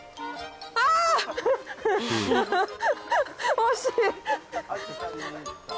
惜しい！